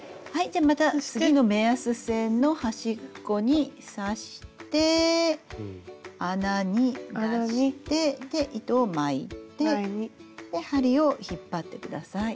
じゃあまた次の目安線の端っこに刺して穴に出してで糸を巻いて針を引っ張ってください。